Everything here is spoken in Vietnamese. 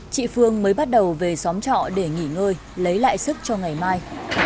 chị phương mới bắt đầu về xóm trọ để nghỉ ngơi lấy lại sức cho ngày mai